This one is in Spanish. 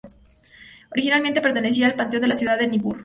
Originalmente pertenecían al panteón de la ciudad de Nippur.